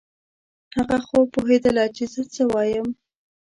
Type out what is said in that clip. هغه خو پوهېدله چې زه څه وایم.